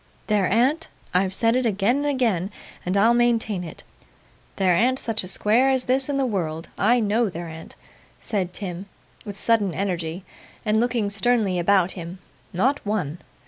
There an't I've said it again and again, and I'll maintain it there an't such a square as this in the world. I KNOW there an't,' said Tim, with sudden energy, and looking sternly about him. 'Not one.